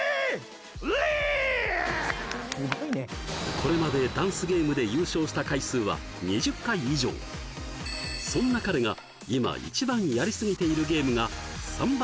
これまでダンスゲームで優勝した回数は２０回以上そんな彼が今一番やりスギているゲームがサンバ